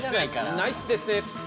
ナイスですね！